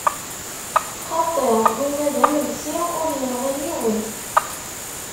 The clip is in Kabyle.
Xaṭi, winna d amelsi, ur yenɣi yiwen.